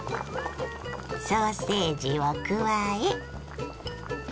ソーセージを加え。